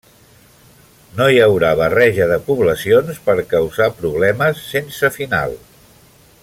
No hi haurà barreja de poblacions per causar problemes sense final.